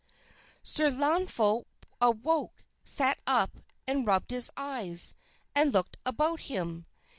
Sir Launfal awoke, sat up and rubbed his eyes, and looked about him.